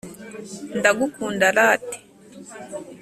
ndagukunda latte.